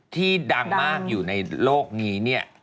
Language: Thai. ที่ดังมากอยู่ในโลกนี้เนี่ย